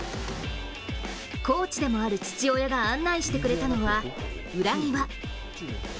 コーチでもある父親が案内してくれたのは、裏庭。